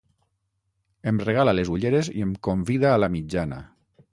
Em regala les ulleres i em convida a la mitjana.